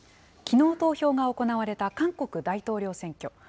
きのう投票が行われた韓国大統領選挙。